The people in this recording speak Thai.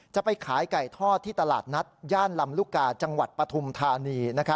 จะไปขายไก่ทอดที่ตลาดนัดย่านลำลูกกาจังหวัดปฐุมธานี